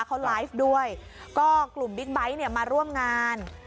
เขาไลฟ์ด้วยก็กลุ่มบิ๊กไบท์เนี่ยมาร่วมงาน